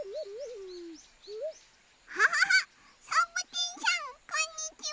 キャハハサボテンさんこんにちは。